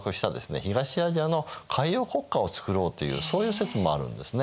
東アジアの海洋国家を作ろうというそういう説もあるんですね。